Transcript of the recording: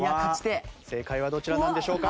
正解はどちらなんでしょうか？